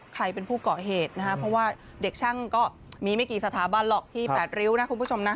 ใครเป็นผู้เกาะเหตุนะครับเพราะว่าเด็กช่างก็มีไม่กี่สถาบันหรอกที่๘ริ้วนะคุณผู้ชมนะ